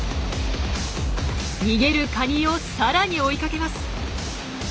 逃げるカニをさらに追いかけます。